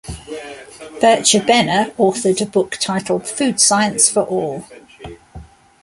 Bircher Benner authored a book titled "Food Science for All".